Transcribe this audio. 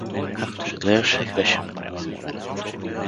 Както изглеждаше, беше много уморен.